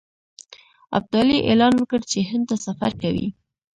ابدالي اعلان وکړ چې هند ته سفر کوي.